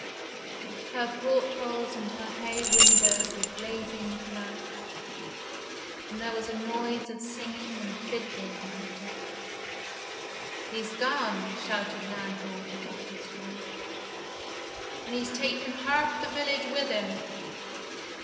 Her portholes and her bay window were blazing with lights, and there was a noise of singing and fiddling on her decks. " He's gone," shouted landlord above the storm, "and he's taken half the village with him